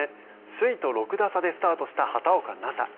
首位と６打差でスタートした畑岡奈紗。